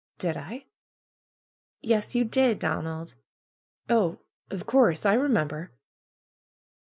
^^Did I?" ^^Yes, you did, Donald!" ^^Oh, of course! I remember."